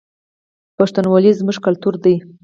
پښتونولي زموږ کلتور دی